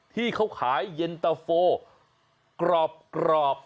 ที่เขาขายเย็นตะโฟกรอบ